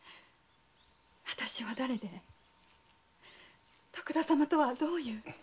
私は誰で徳田様とはどういう？